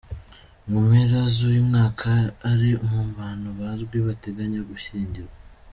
Mu mpera z’uyu mwaka ari mu bantu bazwi bateganya gushyingirwa.